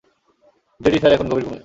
JD sir এখন গভীর ঘুমে।